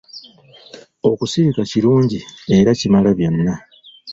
Okusirika kirungi era kimala byonna.